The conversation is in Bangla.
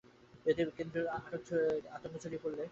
এতে কেন্দ্রে আতঙ্ক ছড়িয়ে পড়লে ভোটারেরা ভয়ে কেন্দ্র থেকে সরে যান।